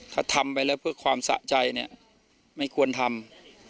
ถ้าทำไปแล้วเพื่อความสะใจเนี่ยไม่ควรทำ